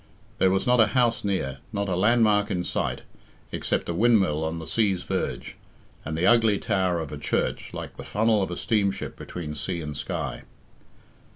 There was not a house near, not a landmark in sight, except a windmill on the sea's verge, and the ugly tower of a church, like the funnel of a steamship between sea and sky.